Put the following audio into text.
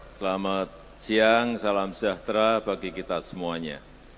selamat siang salam sejahtera bagi kita semuanya